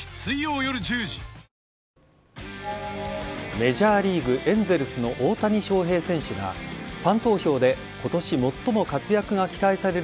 メジャーリーグ・エンゼルスの大谷翔平選手が、ファン投票で、ことし最も活躍が期待される